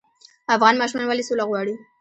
افغان ماشومان ولې سوله غواړي؟